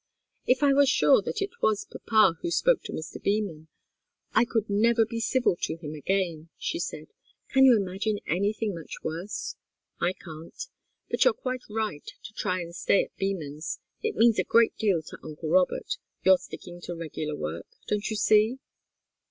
"If I were sure that it was papa who spoke to Mr. Beman, I could never be civil to him again," she said. "Can you imagine anything much worse? I can't. But you're quite right to try and stay at Beman's. It means a great deal to uncle Robert your sticking to regular work, don't you see?"